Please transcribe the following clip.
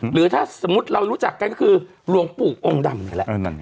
หรือถ้าสมมุติเรารู้จักกันก็คือหลวงปู่องค์ดำนี่แหละ